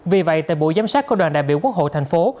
vì vậy tại buổi giám sát của đoàn đại biểu quốc hội thành phố